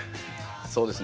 そうですね。